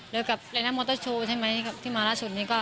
โดยกับเรน่ามอเตอร์โชว์ใช่ไหมที่มาล่าสุดนี้ก็